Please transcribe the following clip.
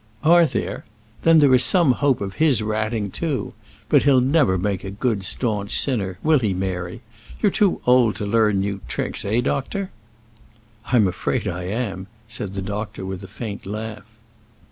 "Are there? Then there is some hope of his ratting too. But he'll never make a good staunch sinner; will he, Mary? You're too old to learn new tricks; eh, doctor?" "I am afraid I am," said the doctor, with a faint laugh.